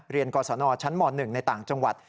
เรียนก่อสนชั้นหมอ๑ในต่างจังหวัด